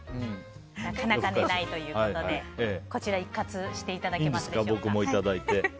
なかなか寝ないということで一喝していただけますでしょうか。